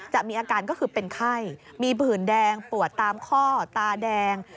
จะมีอาการก็คือเป็นไข้มีผื่นแดงปวดตามข้อตาแดง